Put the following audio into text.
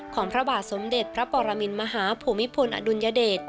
พระบาทสมเด็จพระปรมินมหาภูมิพลอดุลยเดช